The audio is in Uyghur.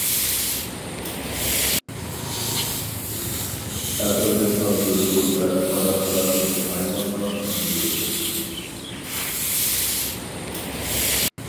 ئەقىلدىن ئازدۇرىدۇ ۋە بارا-بارا ئۇنى ھايۋانغا ئايلاندۇرىدۇ.